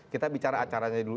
kita bicara acaranya dulu